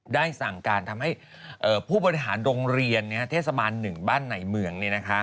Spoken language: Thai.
ได้สั่งการทำให้ผู้บริหารโรงเรียนเทศบาล๑บ้านไหนเมือง